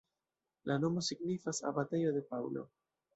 La nomo signifas abatejo de Paŭlo.